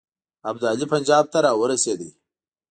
ابدالي پنجاب ته را ورسېد.